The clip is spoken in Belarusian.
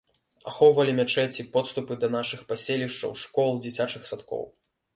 Ахоўвалі мячэці, подступы да нашых паселішчаў, школ, дзіцячых садкоў.